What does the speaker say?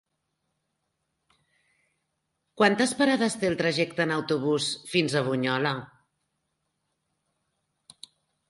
Quantes parades té el trajecte en autobús fins a Bunyola?